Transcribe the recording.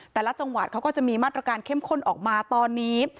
แต่ละจังหวัดเขาก็จะมีมาตรการเข้มข้นออกมาตอนนี้